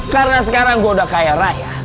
karena sekarang gue udah kaya raya